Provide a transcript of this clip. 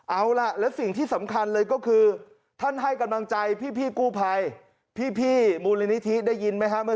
เอาล่ะสิ่งที่สำคัญเลยก็คือท่านให้กำลังใจพี่